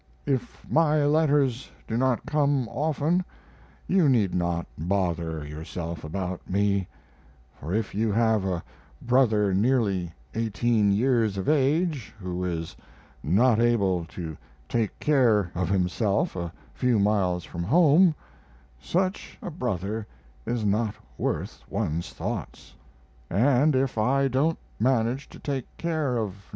If my letters do not come often, you need not bother yourself about me; for if you have a brother nearly eighteen years of age who is not able to take care of himself a few miles from home, such a brother is not worth one's thoughts; and if I don't manage to take care of No.